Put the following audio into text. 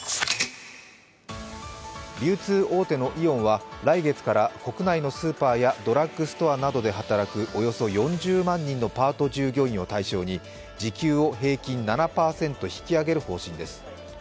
流通大手のイオンは来月から国内のスーパーやドラッグストアなどで働く、およそ４０万人のパート従業員を対象に時給を平均７％引き上げる方針です